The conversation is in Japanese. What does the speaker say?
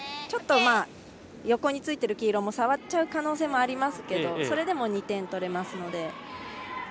ちょっと、よこについている黄色も触っちゃう可能性もありますけどそれでも２点取れますので。